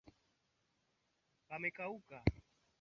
na pamekuwa kwa nanma moja au jingine